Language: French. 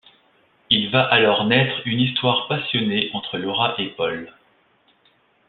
Il va alors naître une histoire passionnée entre Laura et Paul…